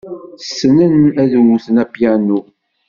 Ssnen ad wten apyanu.